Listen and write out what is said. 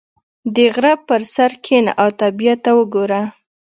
• د غره پر سر کښېنه او طبیعت ته وګوره.